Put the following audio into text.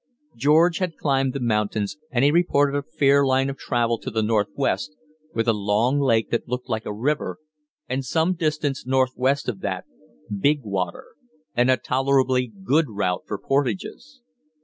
George had climbed the mountains, and he reported a fair line of travel to the northwest, with a "long lake that looked like a river," and, some distance northwest of that, "big water" and a tolerably good route for portages.